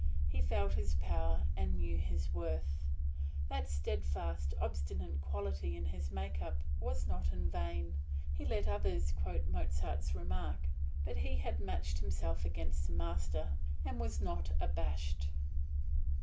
He felt his power, and knew his worth. That steadfast, obstinate quality in his make up was not in vain. He let others quote Mozart's remark; but he had matched himself against the Master, and was not abashed.